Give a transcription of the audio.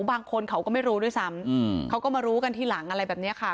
บางคนเขาก็ไม่รู้ด้วยซ้ำเขาก็มารู้กันทีหลังอะไรแบบนี้ค่ะ